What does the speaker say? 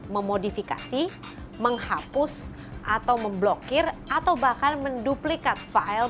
memodifikasi menghapus atau memblokir atau bahkan menduplikat file